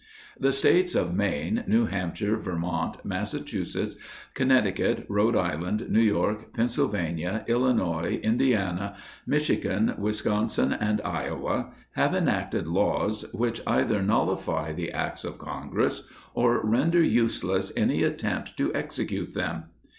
The States of Maine, New Hampshire, Vermont, Massachusetts, Con necticut, Rhode Island, New York, Pennsylvania, Illinois, Indiana, Michigan, Wisconsin and Iowa, have enacted laws which either nullify the Acts of Congress or render useless any attempt to execute them.